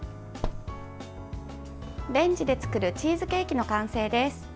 レンジで作るチーズケーキの完成です。